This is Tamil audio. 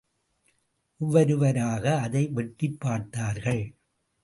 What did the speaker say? ஒவ்வொருவராக அதை வெட்டிப் பார்த்தார்கள்.